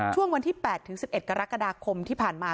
ช่วงวันที่๘ถึง๑๑กรกฎาคมที่ผ่านมา